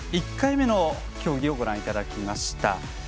１回目の競技をご覧いただきました。